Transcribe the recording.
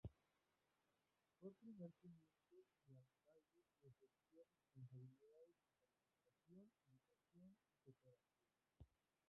Fue primer Teniente de Alcalde y ejerció responsabilidades en Participación, Educación y Cooperación.